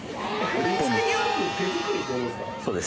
そうです。